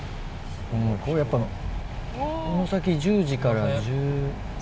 ここやっぱこの先１０時から。